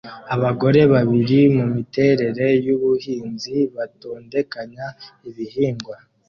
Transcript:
Abagore babiri mumiterere yubuhinzi batondekanya ibihingwa